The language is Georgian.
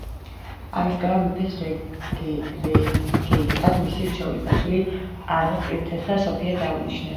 ამის გამო მეფეს რეგენტად მისი „რჩეული“ ქალიშვილი, ანუ პრინცესა სოფია დაუნიშნეს.